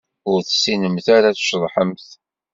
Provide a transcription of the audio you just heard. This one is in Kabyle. Ur tessinemt ara ad tceḍḥemt.